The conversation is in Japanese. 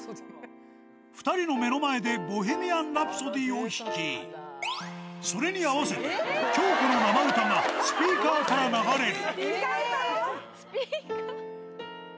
２人の目の前でボヘミアンラプソディを弾き、それに合わせて、京子の生歌がスピーカーから流れる。